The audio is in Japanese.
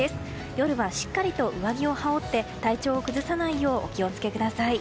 夜はしっかりと上着を羽織って体調を崩さないようお気を付けください。